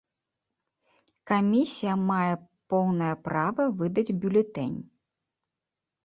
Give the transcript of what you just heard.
Камісія мае поўнае права выдаць бюлетэнь.